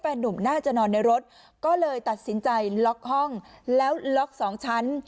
หนุ่มน่าจะนอนในรถก็เลยตัดสินใจล็อกห้องแล้วล็อกสองชั้น